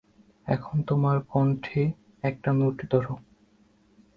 এখন তোমার কন্ঠে একটা নোট ধরো।